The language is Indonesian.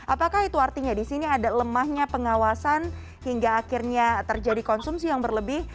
apakah itu artinya di sini ada lemahnya pengawasan hingga akhirnya terjadi konsumsi yang berlebih